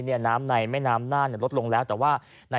เนี้ยน้ำในในนายน้ำน่าเนี้ยลดลงแล้วแต่ว่าใน